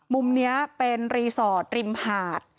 มุมนี้เป็นรีสอร์ทริมหาด